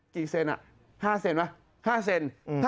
กี่เซนอ่ะ๕เซนไหม๕เซน